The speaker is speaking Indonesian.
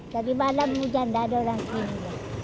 jadi malam hujan tidak ada orang beli